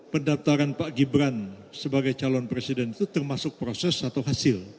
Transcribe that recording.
pendaftaran pak gibran sebagai calon presiden itu termasuk proses atau hasil